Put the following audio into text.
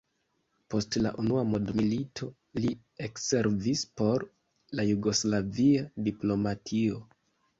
Post la Unua mondmilito, li ekservis por la jugoslavia diplomatio.